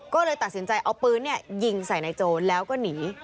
ก็เลยตัดสินใจเอาปืนยิงใส่นายโจรแล้วก็หนี